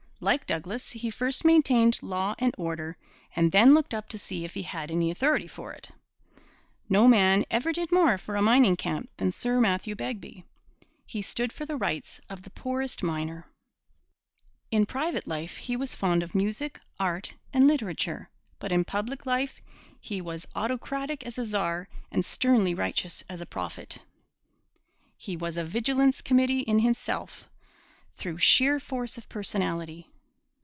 Like Douglas, he first maintained law and order and then looked up to see if he had any authority for it. No man ever did more for a mining camp than Sir Matthew Begbie. He stood for the rights of the poorest miner. In private life he was fond of music, art, and literature; but in public life he was autocratic as a czar and sternly righteous as a prophet. He was a vigilance committee in himself through sheer force of personality.